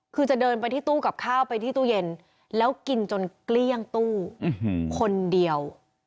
คือจะเดินไปที่ตู้กับข้าวไปที่ตู้เย็นแล้วกินจนเกลี้ยงตู้คนเดียว